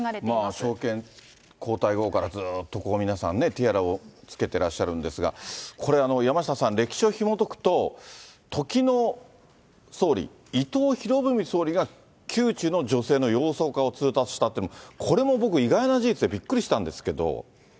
昭憲皇太后からずっとこう皆さんね、ティアラをつけてらっしゃるんですが、これ、山下さん、歴史をひもとくと、時の総理、伊藤博文総理が、宮中の女性の洋装化を通達したっていうの、これも僕、意外な事実でびっくりしたんですけど。